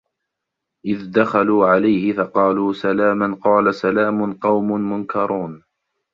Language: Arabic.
إِذ دَخَلوا عَلَيهِ فَقالوا سَلامًا قالَ سَلامٌ قَومٌ مُنكَرونَ